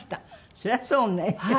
そりゃそうね。